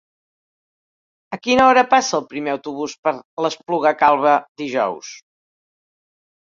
A quina hora passa el primer autobús per l'Espluga Calba dijous?